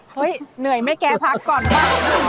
เห้ยเหย่อไหมแกพักก่อนมา